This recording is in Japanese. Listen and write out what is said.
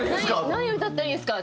「何歌ったらいいんですか？」